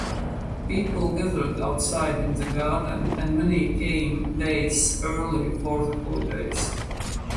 People gathered outside in the garden and many came days early for the holidays.